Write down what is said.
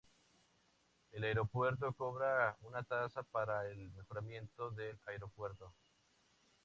El aeropuerto cobra una tasa para el mejoramiento del Aeropuerto.